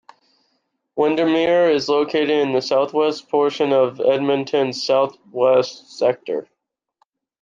Windermere is located in the southwest portion of Edmonton's southwest sector.